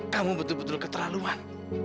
kamu betul betul keterlaluan